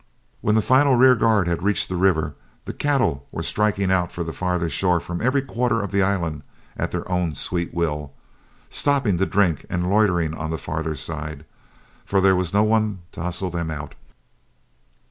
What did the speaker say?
When the final rear guard had reached the river the cattle were striking out for the farther shore from every quarter of the island at their own sweet will, stopping to drink and loitering on the farther side, for there was no one to hustle them out.